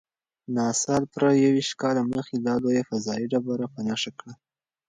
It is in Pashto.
ناسا پوره یوویشت کاله مخکې دا لویه فضايي ډبره په نښه کړه.